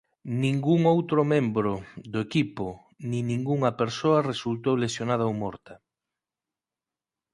Ningún outro membro do equipo nin ningunha persoa resultou lesionada ou morta.